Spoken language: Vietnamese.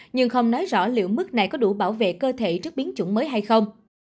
nhưng không nói rõ liệu mức này có đủ bảo vệ cơ thể trước biến chủng mới hay không